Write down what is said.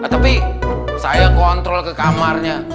tapi saya kontrol ke kamarnya